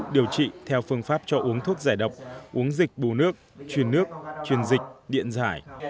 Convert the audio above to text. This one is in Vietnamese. điều trị theo phương pháp cho uống thuốc giải độc uống dịch bù nước truyền nước truyền dịch điện giải